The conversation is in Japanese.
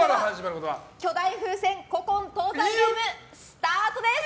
巨大風船古今東西ゲームスタートです！